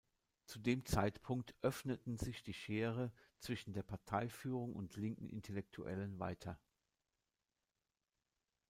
Zu dem Zeitpunkt öffneten sich die Schere zwischen der Parteiführung und linken Intellektuellen weiter.